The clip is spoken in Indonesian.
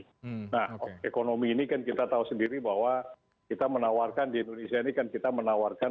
nah ekonomi ini kan kita tahu sendiri bahwa kita menawarkan di indonesia ini kan kita menawarkan